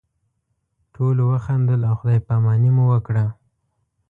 ټولو وخندل او خدای پاماني مو وکړه.